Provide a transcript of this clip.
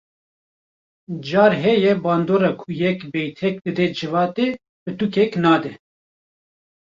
Car heye bandora ku yek beytek dide civatê pitûkek nade